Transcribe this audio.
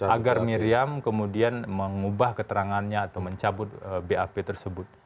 agar miriam kemudian mengubah keterangannya atau mencabut bap tersebut